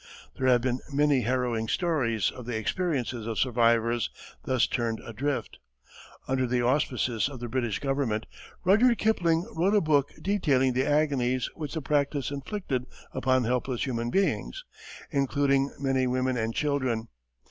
There have been many harrowing stories of the experiences of survivors thus turned adrift. Under the auspices of the British government, Rudyard Kipling wrote a book detailing the agonies which the practice inflicted upon helpless human beings, including many women and children.